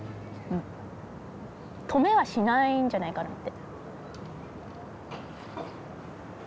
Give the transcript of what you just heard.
止めはしないんじゃないかなって。